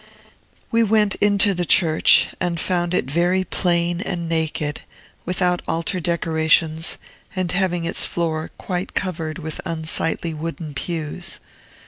We went into the church, and found it very plain and naked, without altar decorations, and having its floor quite covered with unsightly wooden pews.